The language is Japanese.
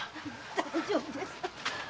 大丈夫ですとも。